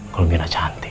kalau myrna cantik ya